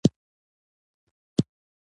د پښتو د مسوولیت ادراک زموږ لپاره مهم دی.